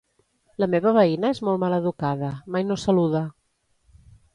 La meva veïna és molt maleducada, mai no saluda.